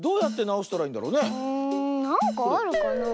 なんかあるかなあ？